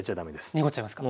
濁っちゃいますか？